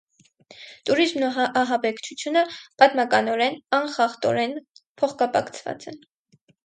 Տուրիզմն ու ահաբեկչությունը պատմականորեն անխախտորեն փոխկապակցված են։